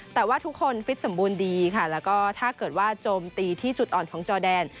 แต่ว่าทุกคนฟิตสมบูรณ์ดีค่ะแล้วก็ถ้าเกิดว่าโจมตีที่จุดอ่อนของจอแดน